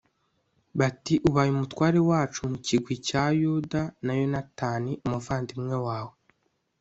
bati ubaye umutware wacu mu kigwi cya yuda na yonatani, umuvandimwe wawe